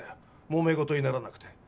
もめ事にならなくて。